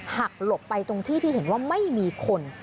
หลบไปตรงที่ที่เห็นว่าไม่มีคน